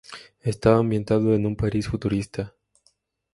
Estaba ambientado en un París futurista.